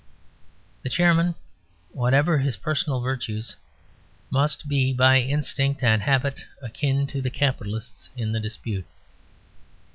The Chairman, whatever his personal virtues, must be by instinct and habit akin to the capitalists in the dispute.